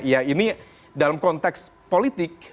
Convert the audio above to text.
ya ini dalam konteks politik